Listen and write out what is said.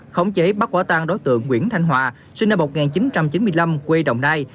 khống chế bắt quả tang đối tượng nguyễn thanh hòa sinh năm một nghìn chín trăm chín mươi năm quê đồng nai